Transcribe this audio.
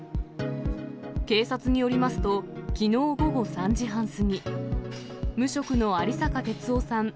警察によりますと、きのう午後３時半過ぎ、無職の有坂鉄男さん